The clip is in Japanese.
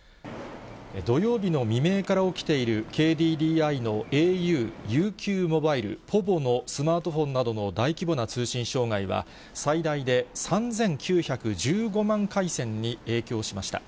土曜日の未明から起きているＫＤＤＩのａｕ、ＵＱモバイル、ポヴォのスマートフォンなどの大規模な通信障害は、最大で３９１５万回線に影響しました。